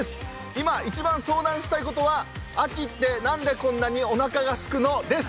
今一番相談したいことは「秋って何でこんなにおなかがすくの？」です。